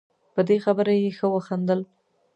په دې خبره یې ښه وخندل.